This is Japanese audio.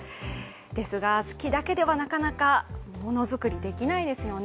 ですが、好きだけではなかなかものづくりできないですよね。